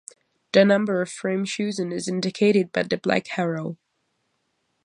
The number of frames chosen is indicated by the black arrow.